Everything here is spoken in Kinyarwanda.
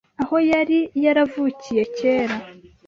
aho yari yaravukiye kera .